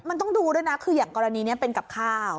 มันต้องดูด้วยนะคืออย่างกรณีนี้เป็นกับข้าว